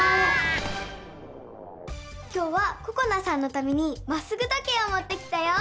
今日はここなさんのためにまっすぐ時計をもってきたよ！